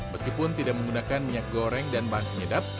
meskipun tidak menggunakan minyak goreng dan bahan penyedap